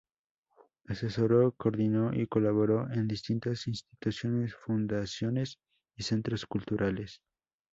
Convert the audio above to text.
Asesoró, coordinó y colaboró en distintas instituciones, fundaciones y centros culturales.